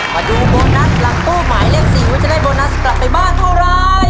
มาดูโบนัสหลังตู้หมายเลข๔ว่าจะได้โบนัสกลับไปบ้านเท่าไร